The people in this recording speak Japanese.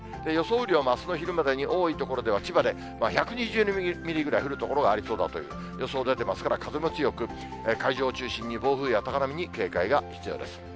雨量もあすの昼までに多い所では千葉で１２０ミリぐらい降る所がありそうだという予想出てますから、風も強く、海上を中心に暴風や高波に警戒が必要です。